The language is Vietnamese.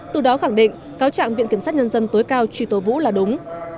từ đó khẳng định cáo trạng viện kiểm sát nhân dân tối cao truy tố vũ là đúng